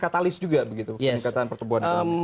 talis juga begitu peningkatan pertumbuhan